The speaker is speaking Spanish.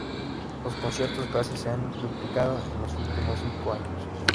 los conciertos casi se han duplicado en los últimos cinco años